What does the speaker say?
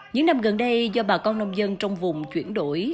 những năm gần đây do bà con nông dân trong vùng chuyển đổi